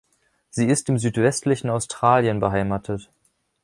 Sie ist im südwestlichen Australien beheimatet.